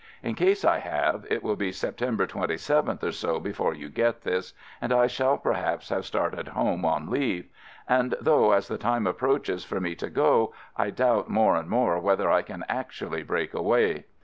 In case I have, it will be Septem ber 27th or so before you get this, and I shall perhaps have started home on leave; though as the time approaches for me to go, I doubt more and more whether I can actually break away!